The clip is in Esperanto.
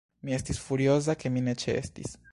Mi estis furioza, ke mi ne ĉeestis.